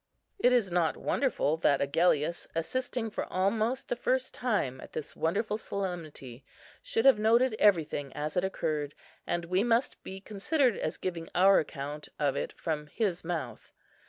It is not wonderful that Agellius, assisting for almost the first time at this wonderful solemnity, should have noted everything as it occurred; and we must be considered as giving our account of it from his mouth.